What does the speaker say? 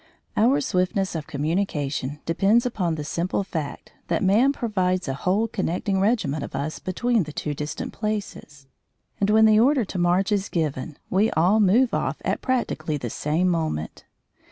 Our swiftness of communication depends upon the simple fact that man provides a whole connecting regiment of us between the two distant places. And when the order to march is given we all move off at practically the same moment.